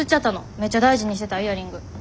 めっちゃ大事にしてたイヤリング。